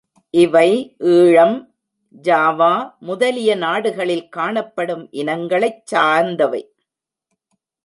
இவை ஈழம், ஜாவா முதலிய நாடுகளில் காணப்படும் இனங்களைச் சாந்தவை.